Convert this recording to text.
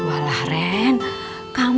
kamu sudah putuskan